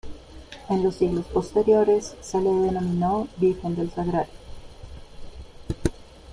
En los siglos posteriores, se le denominó Virgen del Sagrario.